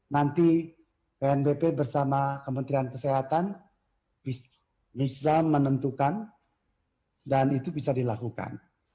nanti pnbp bersama kementerian kesehatan bisa menentukan dan itu bisa dilakukan